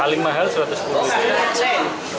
kali mahal rp satu ratus sepuluh